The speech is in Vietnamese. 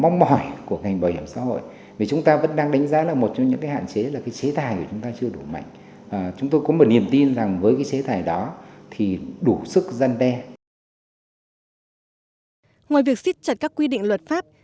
ngoài việc xích chặt các quy định luật pháp